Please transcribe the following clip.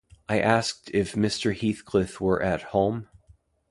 I asked if Mr. Heathcliff were at home?